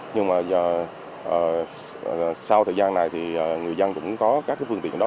nhưng mà sau thời gian này thì người dân cũng có các phương tiện đó